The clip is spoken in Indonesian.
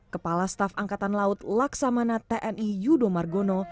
kepala staf angkatan laut laksamana tni yudo margono